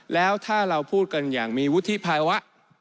แล้วถ้าเราพูดกันอย่างมีวุฒิภาวะ